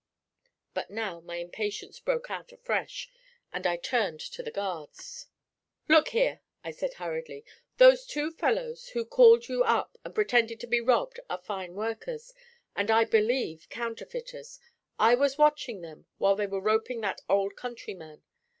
But now my impatience broke out afresh, and I turned to the guards. 'Look here,' I said hurriedly, 'those two fellows who called you up and pretended to be robbed are fine workers, and I believe counterfeiters. I was watching them while they were roping that old countryman.